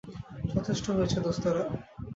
যথেষ্ট হয়েছে, দোস্তরা!